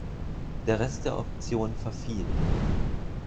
Der Rest der Option verfiel.